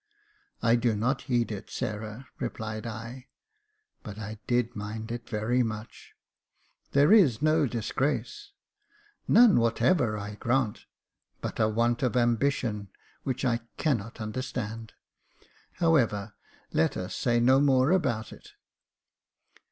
•' I do not heed it, Sarah," replied I (but I did mind it very much) ;" there is no disgrace." " None whatever, I grant ; but a want of ambition, which I cannot understand. However, let us say no more about it."